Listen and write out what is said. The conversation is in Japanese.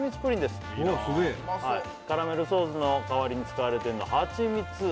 すげえカラメルソースの代わりに使われてるのはハチミツ